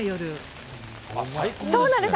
そうなんです。